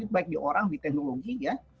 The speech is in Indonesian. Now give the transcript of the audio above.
baik di orang di teknologi ya